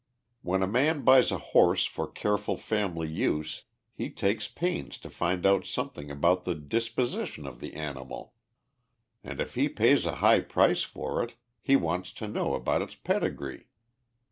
When a man buys a horse for careful family use he takes pains to find out something about the disposition of the animal, and if he pays a high price for it, he wants to know about its pedigree.